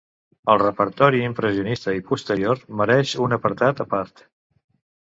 El repertori impressionista i posterior mereix un apartat a part.